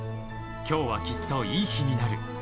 今日はきっといい日になる。